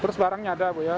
terus barangnya ada apa ya